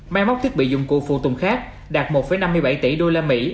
mai móc thiết bị dùng cụ phụ tùng khác đạt một năm mươi bảy tỷ usd